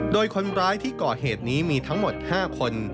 โดยคนร้ายที่ก่อเหตุนี้มีทั้งหมด๕คน